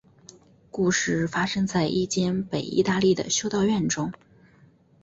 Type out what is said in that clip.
故事发生在一间北意大利的修道院中。